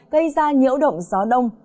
gây ra nhiễu động gió đông